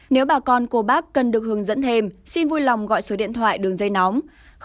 nếu bà con cô bác cần được hướng dẫn thêm xin vui lòng gọi số điện thoại đường dây nóng